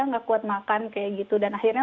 nggak kuat makan kayak gitu dan akhirnya